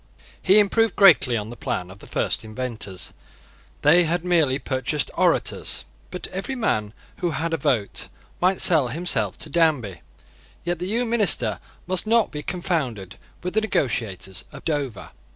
He improved greatly on the plan of the first inventors. They had merely purchased orators: but every man who had a vote, might sell himself to Danby. Yet the new minister must not be confounded with the negotiators of Dover.